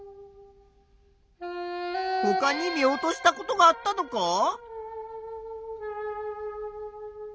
ほかに見落としたことがあったのか？